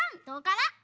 どうかな？